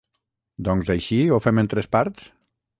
Doncs així ho fem en tres parts?